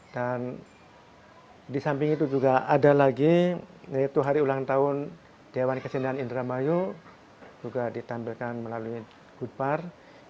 dan di samping itu juga ada lagi yaitu hari ulang tahun dewan kesendahan indramayu juga ditampilkan melalui gupar